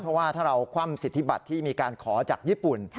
เพราะว่าถ้าเราคว่ำสิทธิบัติที่มีการขอจากญี่ปุ่น